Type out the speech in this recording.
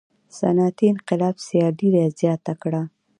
صنعتي انقلاب سیالي زیاته کړه.